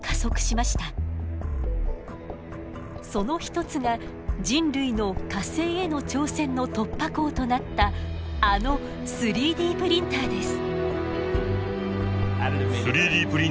その一つが人類の火星への挑戦の突破口となったあの３Ｄプリンターです。